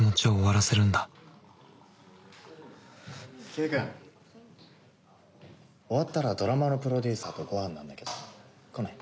清居君終わったらドラマのプロデューサーとご飯なんだけど来ない？